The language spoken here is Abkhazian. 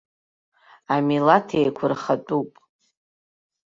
Амилаҭ еиқәырхатәуп.